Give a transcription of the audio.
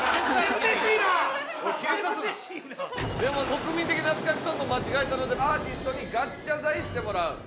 国民的なつかしソングを間違えたのでアーティストにガチ謝罪してもらう。